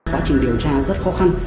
quá trình điều tra rất khó khăn